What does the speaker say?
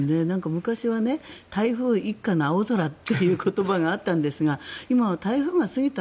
昔は台風一過の青空っていう言葉があったんですが今は台風が過ぎた